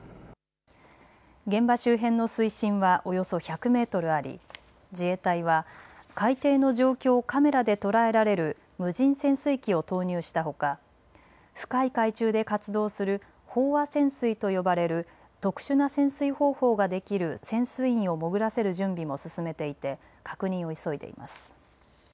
現場周辺の水深はおよそ１００メートルあり自衛隊は海底の状況をカメラで捉えられる無人潜水機を投入したほか深い海中で活動する飽和潜水と呼ばれる特殊な潜水方法ができる潜水員を潜らせる準備も進めていて確認を急いでいます。